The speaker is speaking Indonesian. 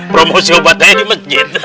promosi obatnya di masjid